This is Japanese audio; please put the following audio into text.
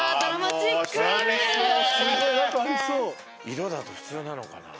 色だと普通なのかな？